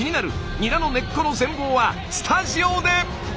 ニラの根っこの全貌はスタジオで！